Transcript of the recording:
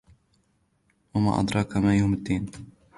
وَمَا أَدْرَاكَ مَا يَوْمُ الدِّينِ